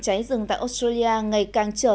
cháy rừng tại australia